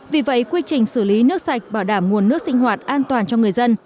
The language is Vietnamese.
vì vậy quy trình xử lý nước sạch bảo đảm nguồn nước sinh hoạt an toàn cho người dân